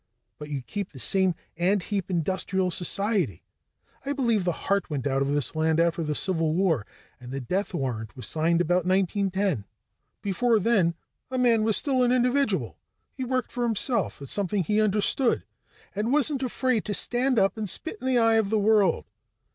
But you'd keep the same ant heap industrial society. I believe the heart went out of this land after the Civil War, and the death warrant was signed about 1910. Before then, a man was still an individual; he worked for himself, at something he understood, and wasn't afraid to stand up and spit in the eye of the world.